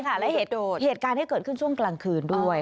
และเหตุการณ์ที่เกิดขึ้นช่วงกลางคืนด้วย